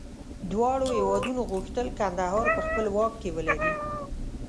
دواړو هېوادونو غوښتل کندهار په خپل واک کې ولري.